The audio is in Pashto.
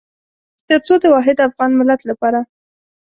تر څو د واحد افغان ملت لپاره.